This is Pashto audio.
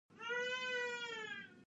ایا د پروستات ستونزه لرئ؟